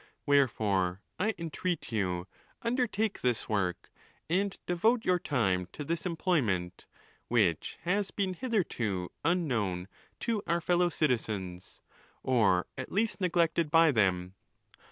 Wherefore, I entreat you, undertake this work, and devote your time to this employment, which has been hitherto un known to our fellow citizens, or at least neglected by them.